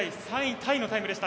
タイのタイムでした。